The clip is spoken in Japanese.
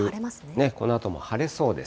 このあとも晴れそうです。